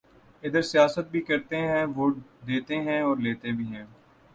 ا دھر سیاست بھی کرتے ہیں ووٹ دیتے ہیں اور لیتے بھی ہیں